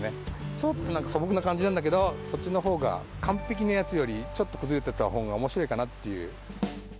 ちょっとなんか素朴な感じなんだけど、こっちのほうが完璧な奴より、ちょっと崩れてたほうがおもしろいかなっていう。